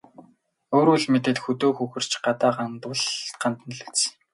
Өөрөө л мэдээд хөдөө хөхөрч, гадаа гандвал гандана л биз.